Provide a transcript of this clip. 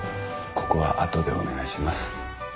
ここは後でお願いします。